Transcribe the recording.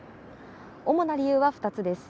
主な理由は２つです。